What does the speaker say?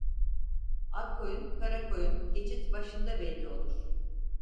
Ak koyun kara koyun geçit başında belli olur.